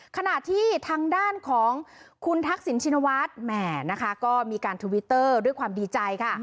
ขณะที่ทางด้านของคุณทักษิณชินวัฒน์แหมนะคะก็มีการทวิตเตอร์ด้วยความดีใจค่ะ